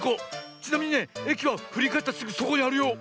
ちなみにねえきはふりかえったすぐそこにあるよ。